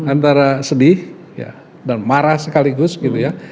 antara sedih dan marah sekaligus gitu ya